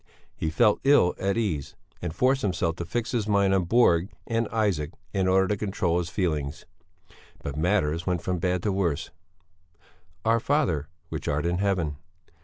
He felt ill at ease, and forced himself to fix his mind on Borg and Isaac in order to control his feelings. But matters went from bad to worse: "Our Father, which art in Heaven...."